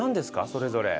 それぞれ。